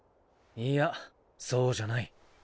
いやそうじゃない。